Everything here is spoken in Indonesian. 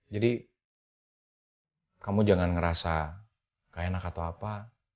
jadi kamu jangan ngerasa gak enak atau apa